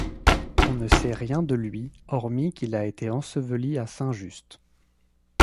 On ne sait rien de lui hormis qu'il a été enseveli à Saint-Just.